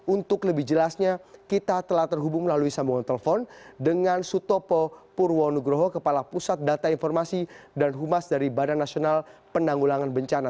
untuk lebih jelasnya kita telah terhubung melalui sambungan telepon dengan sutopo purwonugroho kepala pusat data informasi dan humas dari badan nasional penanggulangan bencana